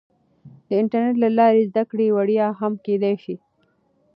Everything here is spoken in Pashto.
د انټرنیټ له لارې زده کړه وړیا هم کیدای سي.